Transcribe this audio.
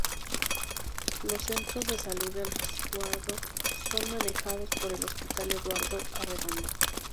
Los centros de salud del Resguardo son manejados por el Hospital Eduardo Arredondo.